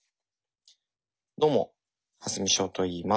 どうも蓮見翔といいます。